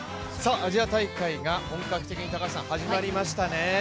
アジア大会が本格的に始まりましたね。